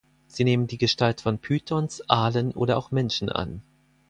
Sie nehmen die Gestalt von Pythons, Aalen oder auch Menschen an.